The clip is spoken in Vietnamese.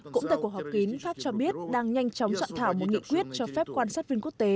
cũng tại cuộc họp kín pháp cho biết đang nhanh chóng soạn thảo một nghị quyết cho phép quan sát viên quốc tế